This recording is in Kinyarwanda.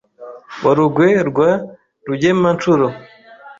Wa Rugwe rwa Rugemanshuro